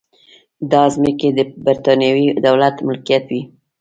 دا ځمکې د برېټانوي دولت ملکیت وې.